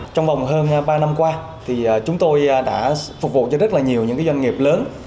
trong vòng hơn ba năm qua thì chúng tôi đã phục vụ cho rất là nhiều những doanh nghiệp lớn